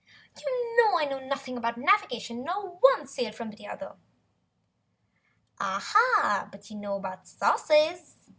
"You know I know nothing about navigation nor one sail from t'other." "Ah but what you know about sauces!"